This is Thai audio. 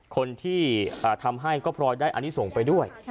คนที่ทำให้ก็พลอยได้อันนี้ส่งไปด้วย